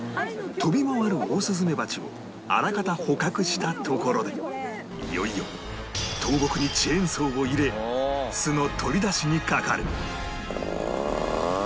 飛び回るオオスズメバチをあらかた捕獲したところでいよいよ倒木にチェーンソーを入れ巣の取り出しにかかる